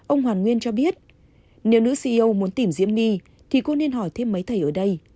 ông hoàn nguyên cho biết nếu nữ ceo muốn tìm diễm my thì cô nên hỏi thêm mấy thầy ở đây